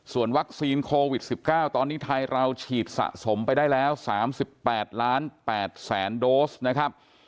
ส่วนวัคซีนโควิด๑๙ตอนนี้ไทยเราฉีดสะสมไปได้แล้ว๓๘๘๐๐๐โดสนะครับ